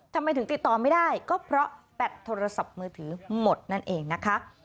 ทำไมถึงติดต่อไม่ได้ก็เพราะแบตโทรศัพท์มือถือหมดนั่นเองนะคะ